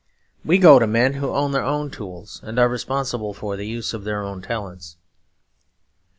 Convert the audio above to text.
We go to men who own their own tools and are responsible for the use of their own talents.